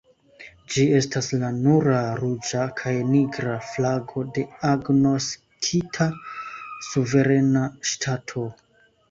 Ĝi estas la nura ruĝa kaj nigra flago de agnoskita suverena ŝtato.